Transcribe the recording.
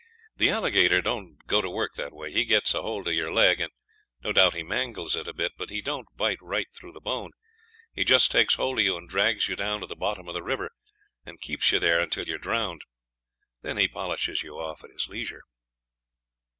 The alligator don't go to work that way: he gets hold of your leg, and no doubt he mangles it a bit; but he don't bite right through the bone; he just takes hold of you and drags you down to the bottom of the river, and keeps you there until you are drowned; then he polishes you off at his leisure."